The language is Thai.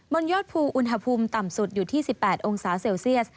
นยอดภูอุณหภูมิต่ำสุดอยู่ที่๑๘องศาเซลเซียส